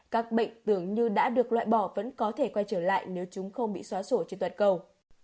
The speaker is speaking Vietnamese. các bệnh tưởng như đã được loại bỏ vẫn có thể quay trở lại nếu chúng không bị xóa sổ trên toàn cầu